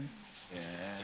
へえ